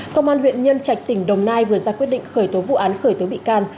công an huyện nhân trạch tỉnh đồng nai vừa ra quyết định khởi tố vụ án khởi tố bị can